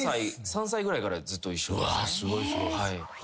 ３歳ぐらいからずっと一緒。